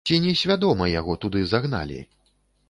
Ці не свядома яго туды загналі?